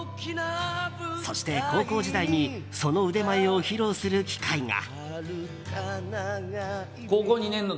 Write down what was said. そして、高校時代にその腕前を披露する機会が。